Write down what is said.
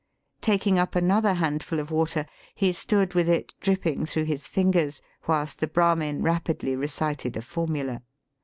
Taking up another handful of water, he stood with it dripping through his fingers, whilst the Brahmin rapidly recited a formula.